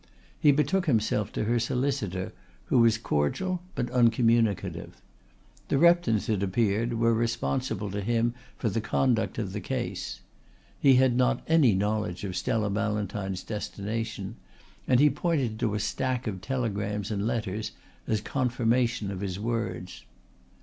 He betook himself to her solicitor, who was cordial but uncommunicative. The Reptons, it appeared, were responsible to him for the conduct of the case. He had not any knowledge of Stella Ballantyne's destination, and he pointed to a stack of telegrams and letters as confirmation of his words.